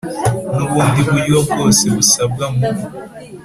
n ubundi buryo bwose busabwa mu